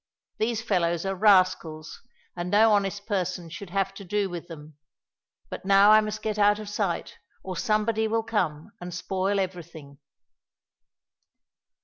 These fellows are rascals, and no honest person should have to do with them. But now I must get out of sight, or somebody will come and spoil everything."